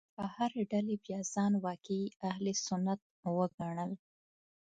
هرې ډلې بیا ځان واقعي اهل سنت وګڼل.